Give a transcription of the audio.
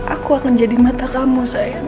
aku akan jadi mata kamu sayang